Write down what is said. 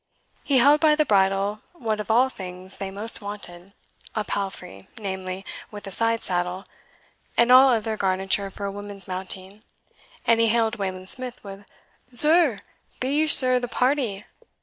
He held by the bridle what of all things they most wanted a palfrey, namely, with a side saddle, and all other garniture for a woman's mounting; and he hailed Wayland Smith with, "Zur, be ye zure the party?"